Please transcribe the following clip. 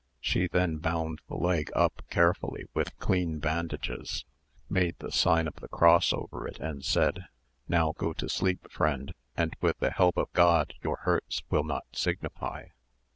She then bound the leg up carefully with clean bandages, made the sign of the cross over it, and said, "Now go to sleep, friend and with the help of God your hurts will not signify."